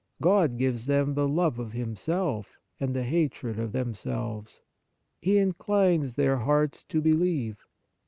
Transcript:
God gives them the love of Himself and a hatred of themselves. He inclines their hearts to believe.